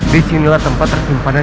disinilah tempat terkumpannya